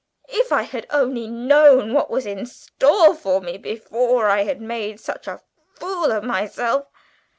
If I had only known what was in store for me before I had made such a fool of myself!"